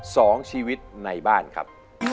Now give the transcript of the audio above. สองชีวิตในบ้านครับ